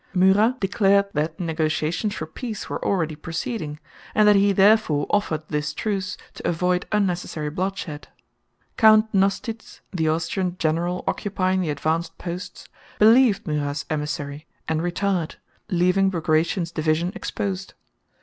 Murat declared that negotiations for peace were already proceeding, and that he therefore offered this truce to avoid unnecessary bloodshed. Count Nostitz, the Austrian general occupying the advanced posts, believed Murat's emissary and retired, leaving Bagratión's division exposed.